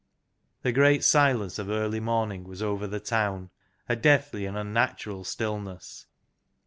The great silence of early morning was over the town, a deathly and unnatural stillness.